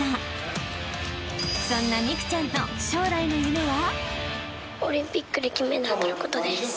［そんな美空ちゃんの将来の夢は？］